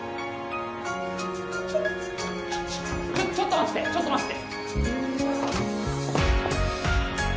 ちょちょっと待ってちょっと待ってて！